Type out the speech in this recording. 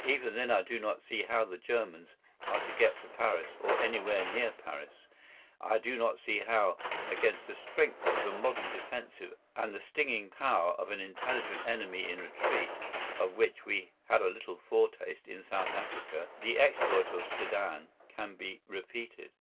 Even then I do not see how the Germans are to get to Paris or anywhere near Paris. I do not see how against the strength of the modern defensive and the stinging power of an intelligent enemy in retreat, of which we had a little foretaste in South Africa, the exploit of Sedan can be repeated.